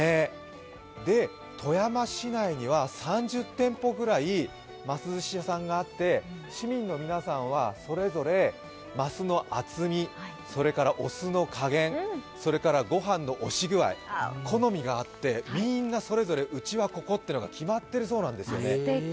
富山市内には３０店舗ぐらいます寿司ストリート屋さんがあって、市民の皆さんはそれぞれ、ますの厚み、それからお酢のかげん、そしてご飯のお酢具合、好みがあって、みんなそれぞれうちはここって決まってるそうなんですよね。